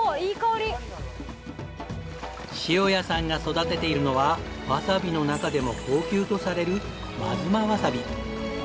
塩谷さんが育てているのはわさびの中でも高級とされる。